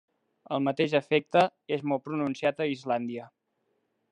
El mateix efecte és molt pronunciat a Islàndia.